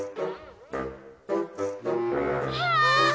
ああ！